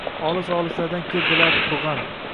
Olis-olislardan keldilar purg’am